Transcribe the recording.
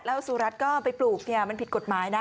แล้วสุรัตน์ก็ไปปลูกมันผิดกฎหมายนะ